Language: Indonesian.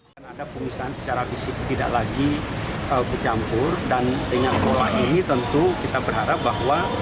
karena ada perusahaan secara fisik tidak lagi bercampur dan dengan pola ini tentu kita berharap bahwa